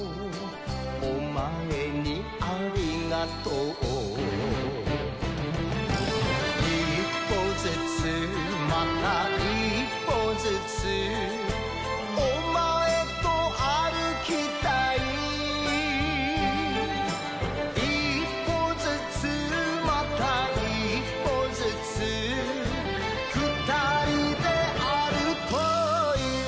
おまえにありがとう一歩ずつまた一歩ずつおまえと歩きたい一歩ずつまた一歩ずつふたりで歩こうよ